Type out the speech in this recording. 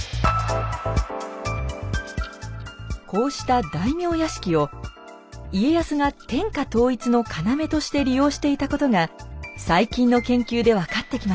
こうした大名屋敷を家康が天下統一の要として利用していたことが最近の研究で分かってきました。